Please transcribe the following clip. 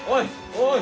おい！